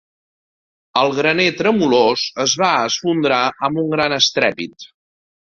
El graner tremolós es va esfondrar amb un gran estrèpit.